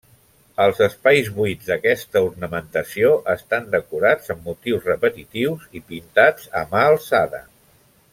Els espais buits d'aquesta ornamentació estan decorats amb motius repetitius i pintats a mà alçada.